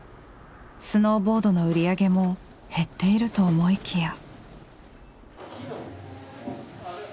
スノーボードの売り上げも減っていると思いきや。